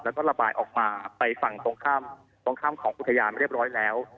แล้วก็ระบายออกมาไปฝั่งตรงข้ามตรงข้ามของอุทยานเรียบร้อยแล้ว